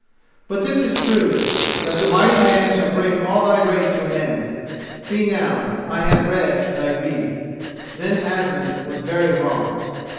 But this is true—that the mighty man shall bring all thy race to an end. See now, I have read thy rede." Then Asmund was very wroth.